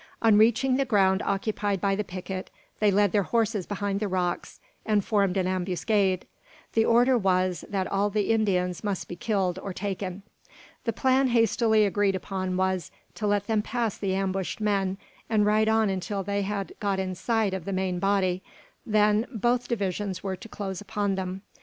On reaching the ground occupied by the picket, they led their horses behind the rocks, and formed an ambuscade. The order was, that all the Indians must be killed or taken. The plan hastily agreed upon was, to let them pass the ambushed men, and ride on until they had got in sight of the main body; then both divisions were to close upon them.